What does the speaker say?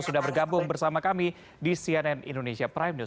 sudah bergabung bersama kami di cnn indonesia prime news